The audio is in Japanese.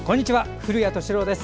古谷敏郎です。